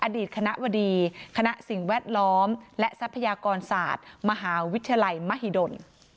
อดีตคณะบดีคณะสิ่งแวดล้อมและทรัพยากรศาสตร์มหาวิทยาลัยมหิดล